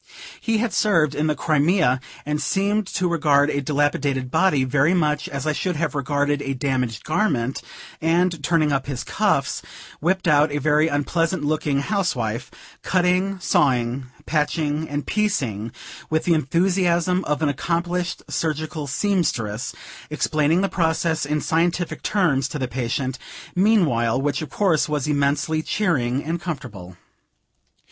He had served in the Crimea, and seemed to regard a dilapidated body very much as I should have regarded a damaged garment; and, turning up his cuffs, whipped out a very unpleasant looking housewife, cutting, sawing, patching and piecing, with the enthusiasm of an accomplished surgical seamstress; explaining the process, in scientific terms, to the patient, meantime; which, of course, was immensely cheering and comfortable.